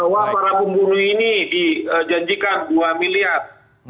bahwa para pembunuh ini dijanjikan dua miliar